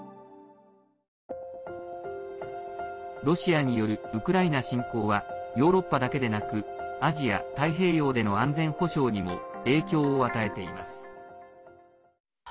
ロシアによるウクライナ侵攻はヨーロッパだけでなくアジア・太平洋での安全保障にも影響を与えています。